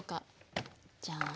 じゃん。